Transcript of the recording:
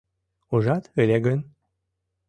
— Ужат ыле гын...